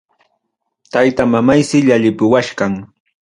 Tayta mamaysi llakipuwachkan.